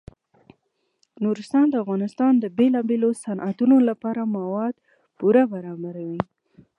نورستان د افغانستان د بیلابیلو صنعتونو لپاره مواد پوره برابروي.